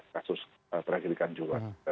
kasus terakhir di kanjurwani